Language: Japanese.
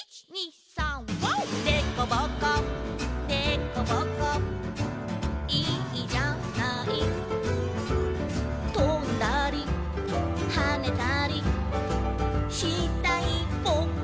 「でこぼこでこぼこいいじゃない」「とんだりはねたりしたいボク」